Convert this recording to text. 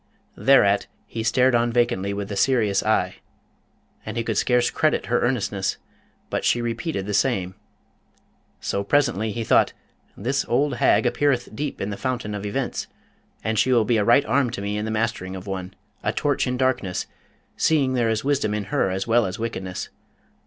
Thereat he stared on vacancy with a serious eye, and he could scarce credit her earnestness, but she repeated the same. So presently he thought, 'This old hag appeareth deep in the fountain of events, and she will be a right arm to me in the mastering of one, a torch in darkness, seeing there is wisdom in her as well as wickedness.